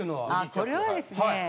これはですね。